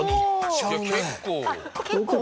結構。